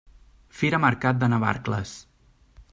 Fira Mercat de Navarcles.